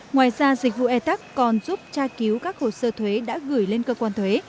ngoài ra dịch vụ etax còn giúp tra cứu các hồ sơ thuế đã gửi lên cơ quan thuế